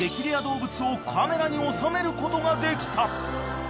レア動物をカメラに収めることができた］